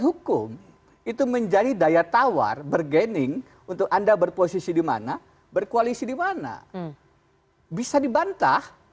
hukum itu menjadi daya tawar bergening untuk anda berposisi dimana berkoalisi dimana bisa dibantah